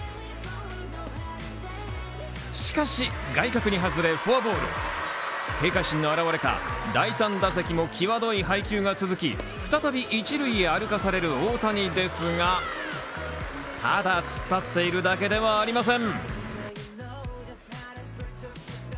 しかし、外角に外れフォアボール警戒心の現われか第３打席も際どい配球が続き、再び一塁歩かされる大谷ですが、ただ突っ立っているだけではありません。